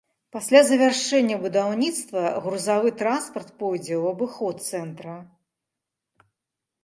Пасля завяршэння будаўніцтва грузавы транспарт пойдзе ў абыход цэнтра.